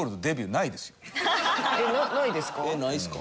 ないんすか？